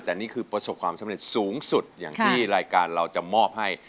แต่นี่คือประสบความสำเร็จสูงสุดอย่างที่รายการเราจะมอบให้